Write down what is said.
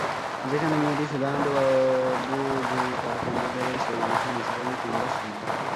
যেখানে মেয়েটি সুধাকান্তবাবধু পা কামড়ে ধরে, সেই অংশ নিসার আলি তিন বার শুনলেন।